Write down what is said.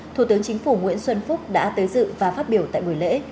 thủ tướng chính phủ nguyễn xuân phúc đã tới dự và phát biểu tại buổi lễ